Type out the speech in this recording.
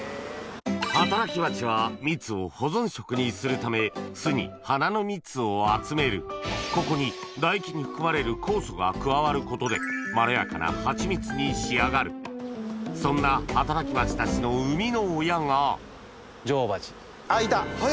働きバチは蜜を保存食にするため巣に花の蜜を集めるここにことでまろやかなハチミツに仕上がるそんな働きバチたちの生みの親があっいた！